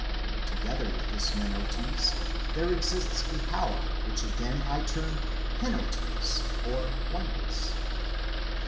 Together with this !Monotes there exists a power, which again I term Henotes (oneness).